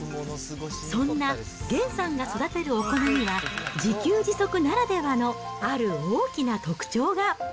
そんなげんさんが育てるお米には、自給自足ならではのある大きな特徴が。